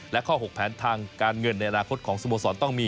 และข้อ๖แผนทางการเงินในอนาคตของสโมสรต้องมี